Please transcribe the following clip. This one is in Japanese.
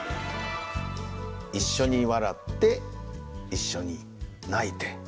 「一緒に笑って一緒に泣いて」。